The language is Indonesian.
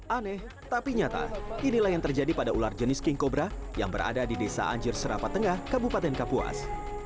aneh tapi nyata inilah yang terjadi pada ular jenis king cobra yang berada di desa anjir serapat tengah kabupaten kapuas